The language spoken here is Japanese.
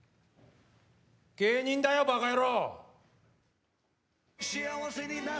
芸人だよ、バカ野郎。